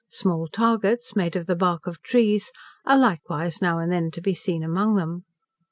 Small targets, made of the bark of trees, are likewise now and then to be seen among them.